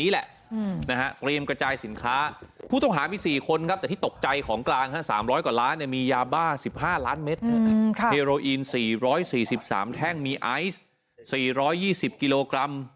เฮโรอีน๔๔๓แท่งมีไอซ์๔๒๐กิโลกรัม